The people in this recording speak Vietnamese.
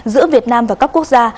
giữa việt nam và các quốc gia